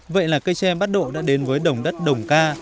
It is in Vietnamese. vậy là cây tre bắt độ đã đến với đồng đất đồng ca